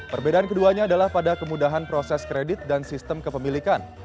perbedaan keduanya adalah pada kemudahan proses kredit dan sistem kepemilikan